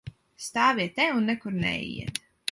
Stāviet te un nekur neejiet!